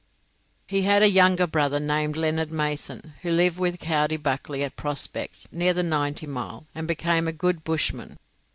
He had a younger brother named Leonard Mason, who lived with Coady Buckley at Prospect, near the Ninety Mile, and became a good bushman.